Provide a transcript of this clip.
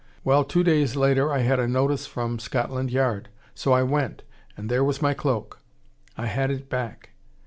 Well, two days later I had a notice from Scotland Yard, so I went. And there was my cloak. I had it back.